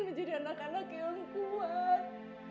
menjadi anak anak yang kuat